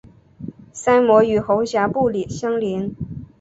鳃膜与喉峡部相连。